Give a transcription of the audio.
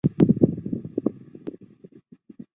米伊多尔格。